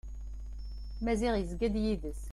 Maziɣ yezga d yid-s.